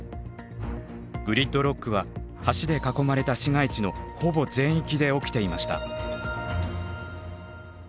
グリッドロックは橋で囲まれた市街地のほぼ全域で起きていました。